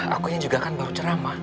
aku ini juga kan baru ceramah